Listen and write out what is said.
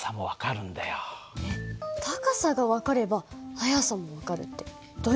高さが分かれば速さも分かるってどういう事？